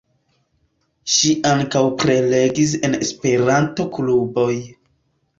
Ŝi ankaŭ prelegis en Esperanto-kluboj.